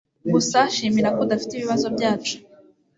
Gusa shimira ko udafite ibibazo byacu